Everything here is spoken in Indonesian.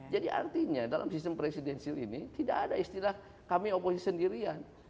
jadi artinya dalam sistem presidensil ini tidak ada istilah kami oposi sendirian